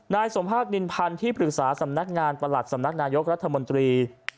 สมภาคนินพันธ์ที่ปรึกษาสำนักงานประหลัดสำนักนายกรัฐมนตรี